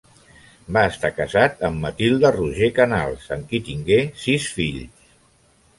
Va estar casat amb Matilde Roger Canals amb qui tingué sis fills.